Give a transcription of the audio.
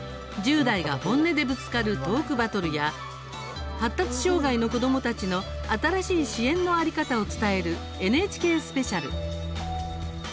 １０代が本音でぶつかるトークバトルや発達障害の子どもたちの新しい支援の在り方を伝える「ＮＨＫスペシャル」。